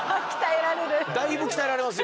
だいぶ鍛えられますよ。